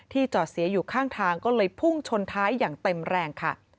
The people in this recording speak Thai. จอดเสียอยู่ข้างทางก็เลยพุ่งชนท้ายอย่างเต็มแรงค่ะ